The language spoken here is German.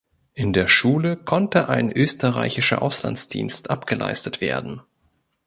In der Schule konnte ein österreichischer Auslandsdienst abgeleistet werden.